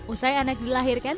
usai anak dilahirkan